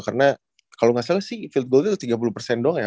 karena kalau gak salah sih field goal nya itu tiga puluh doang ya